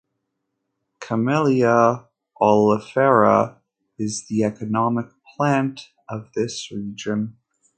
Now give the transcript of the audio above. Camellia oleifera is the economic plant of this region.